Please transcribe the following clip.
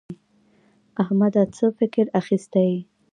احمده څه فکر اخيستی يې؟